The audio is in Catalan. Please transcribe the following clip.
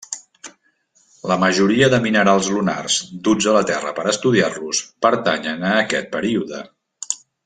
La majoria de minerals lunars duts a la Terra per estudiar-los pertanyen a aquest període.